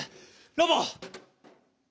ロボ！